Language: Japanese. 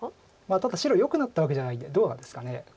ただ白よくなったわけじゃないんでどうなんですかね。